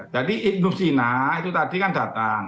jadi ibnu sina itu tadi kan datang